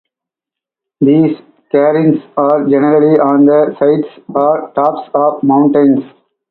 These cairns are generally on the sides or tops of mountains.